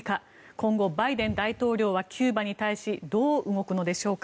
今後、バイデン大統領はキューバに対しどう動くのでしょうか。